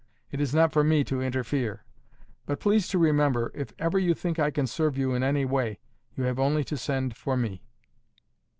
It is not for me to interfere. But please to remember, if ever you think I can serve you in any way, you have only to send for me."